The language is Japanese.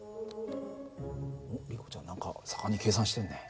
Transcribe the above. おっリコちゃん何か盛んに計算してるね。